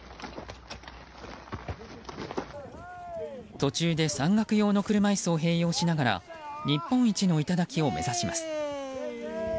途中で山岳用の車椅子を併用しながら日本一の頂を目指します。